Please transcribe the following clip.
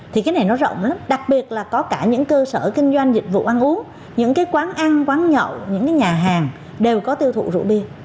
thì cái này nó rộng lắm đặc biệt là có cả những cơ sở kinh doanh dịch vụ ăn uống những cái quán ăn quán nhậu những cái nhà hàng đều có tiêu thụ rượu bia